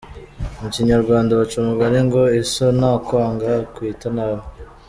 Mu Kinyarwanda baca umugani ngo “iso ntakwanga akwita nabi”.